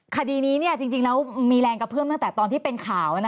คดีนี้จริงแล้วมีแรงกระเพื่อมตั้งแต่ตอนที่เป็นข่าว